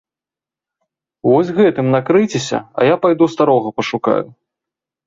Вось гэтым накрыйцеся, а я пайду старога пашукаю.